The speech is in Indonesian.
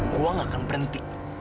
saya tidak akan berhenti